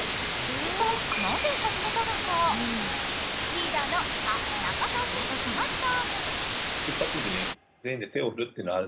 一体なぜ始めたのか、リーダーの田中さんに聞きました。